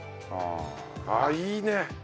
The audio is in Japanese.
ああいいね！